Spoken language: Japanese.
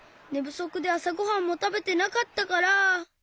ぶそくであさごはんもたべてなかったから。